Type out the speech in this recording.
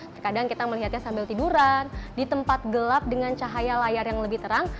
terkadang kita melihatnya sambil tiduran di tempat gelap dengan cahaya layar yang lebih terang